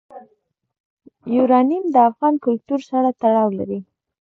یورانیم د افغان کلتور سره تړاو لري.